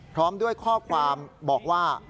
พร้อมด้วยข้อความบอกว่า